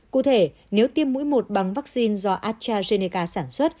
cụ thể nếu tiêm mũi một bằng vaccine do astrazeneca sản xuất